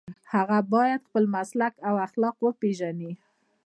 هغه باید خپل مسلک او اخلاق وپيژني.